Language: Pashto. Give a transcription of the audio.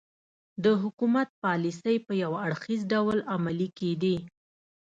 د حکومت پالیسۍ په یو اړخیز ډول عملي کېدې.